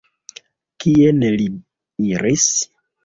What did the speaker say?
Kien li iris?